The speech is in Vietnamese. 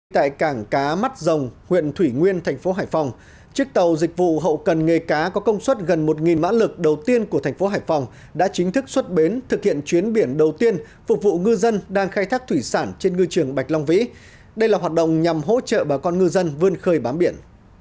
tại cảng cá mắt rồng huyện thủy nguyên thành phố hải phòng chiếc tàu dịch vụ hậu cần nghề cá có công suất gần một mã lực đầu tiên của thành phố hải phòng đã chính thức xuất bến thực hiện chuyến biển đầu tiên phục vụ ngư dân đang khai thác thủy sản trên ngư trường bạch long vĩ đây là hoạt động nhằm hỗ trợ bà con ngư dân vươn khơi bám biển